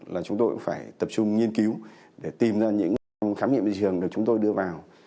là chúng tôi cũng phải tập trung nghiên cứu để tìm ra những khám nghiệm hiện trường được chúng tôi đưa vào